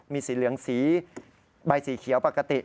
มีสีเหลืองสีใบสีเขียวปกติ